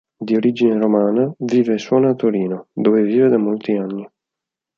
Di origine romana, vive e suona a Torino, dove vive da molti anni.